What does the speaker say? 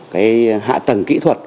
cái hạ tầng kỹ thuật